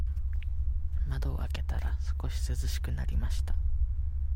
窓を開けたら、少し涼しくなりました。